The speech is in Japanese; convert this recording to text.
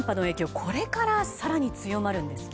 これから更に強まるんですね。